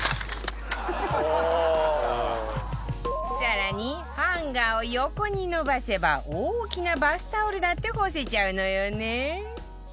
更にハンガーを横に伸ばせば大きなバスタオルだって干せちゃうのよね